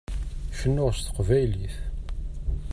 Cennuɣ s teqbaylit.